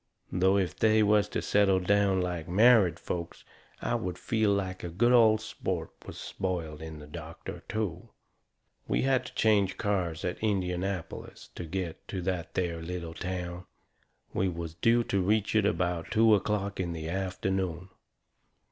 Though if they was to settle down like married folks I would feel like a good old sport was spoiled in the doctor, too. We had to change cars at Indianapolis to get to that there little town. We was due to reach it about two o'clock in the afternoon.